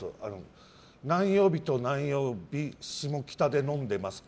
何曜日と何曜日下北で飲んでますか？